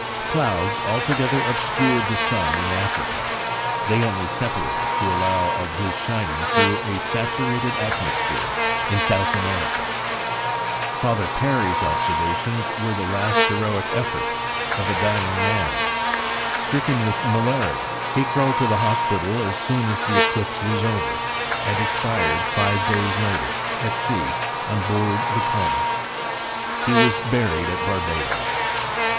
Clouds altogether obscured the sun in Africa; they only separated to allow of his shining through a saturated atmosphere in South America. Father Perry's observations were the last heroic effort of a dying man. Stricken with malaria, he crawled to the hospital as soon as the eclipse was over, and expired five days later, at sea, on board the Comus. He was buried at Barbados.